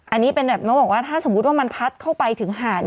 อันนี้เป็นแบบน้องบอกว่าถ้าสมมุติว่ามันพัดเข้าไปถึงหาด